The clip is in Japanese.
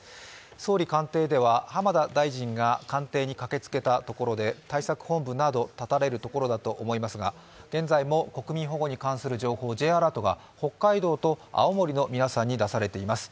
総理官邸では浜田大臣が官邸に駆けつけたところ、対策本部など立たれるところだと思いますが現在も国民保護に関する情報Ｊアラートが北海道と青森の皆さんに出されています。